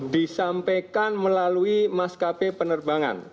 disampaikan melalui maskapai penerbangan